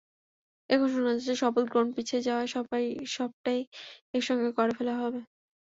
এখন শোনা যাচ্ছে, শপথ গ্রহণ পিছিয়ে যাওয়ায় সবটাই একসঙ্গে করে ফেলা হবে।